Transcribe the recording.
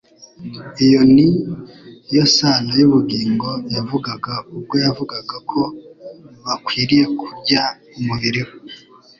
Iyo ni yo sano y'ubugingo yavugaga ubwo yavugaga ko bakwiriye kurya umubiri we